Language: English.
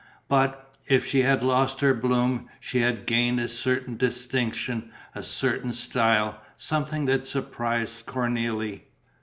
But, if she had lost her bloom, she had gained a certain distinction, a certain style, something that surprised Cornélie.